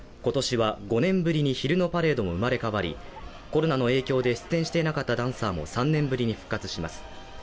今年は５年ぶりに昼のパレードも生まれ変わり、コロナの影響で出店していなかったダンサーも３年ぶりに復活します